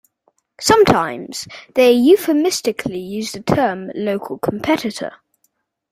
Sometimes they euphemistically use the term "local competitor".